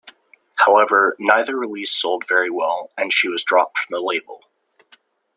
However, neither release sold very well, and she was dropped from the label.